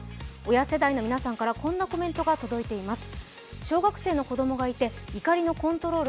親世代の皆さんから、こんなコメントが届いています。